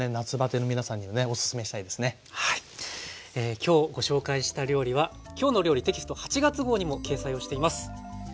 今日ご紹介した料理は「きょうの料理」テキスト８月号にも掲載をしています。